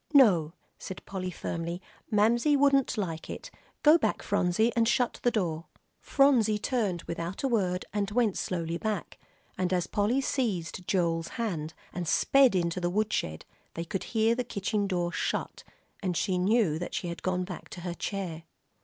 "No," said Polly, firmly, "Mamsie wouldn't like it. Go back, Phronsie, and shut the door." Phronsie turned without a word and went slowly back, and as Polly seized Joel's hand and sped into the woodshed, they could hear the kitchen door shut, and knew that she had gone back to her chair.